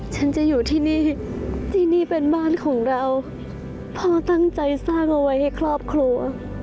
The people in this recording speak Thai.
ฉันจะอยู่ที่นี่ที่นี่เป็นบ้านของเราพ่อตั้งใจสร้างเอาไว้ให้ครอบครัว